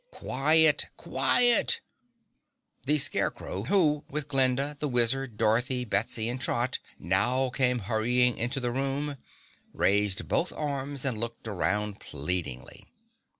"Quiet! QUIET!" The Scarecrow, who with Glinda, the Wizard, Dorothy, Betsy and Trot, now came hurrying into the room, raised both arms and looked around pleadingly.